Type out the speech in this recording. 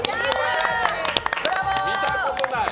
見たことない。